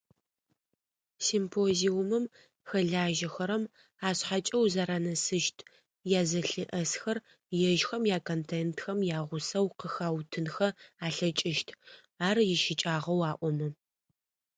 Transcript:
Симпозиумым хэлажьэхэрэм ашъхьэкӏэ узэранэсыщт язэлъыӏэсхэр ежьхэм яконтентхэм ягъусэу къыхаутынхэ алъэкӏыщт, ар ищыкӏагъэу аӏомэ.